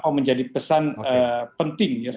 itu yang menjadi pesan penting